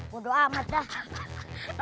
bodoh amat dah